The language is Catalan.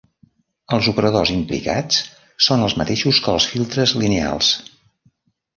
Els operadors implicats són els mateixos que els filtres lineals.